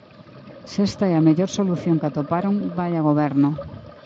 Se esta é a mellor solución que atoparon, vaia goberno!